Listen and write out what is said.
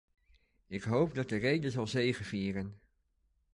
Ik hoop dat de rede zal zegevieren.